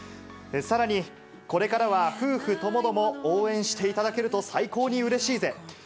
さらに、これからは夫婦ともども応援していただけると最高にうれしいぜ。